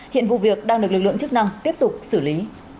hiện vụ việc đang được lực lượng chức năng tiếp tục xử lý